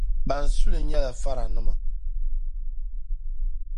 Ban su li nyɛla faranima.